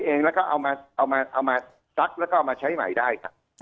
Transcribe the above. เอามาซักและลองมาใช้ใหม่ได้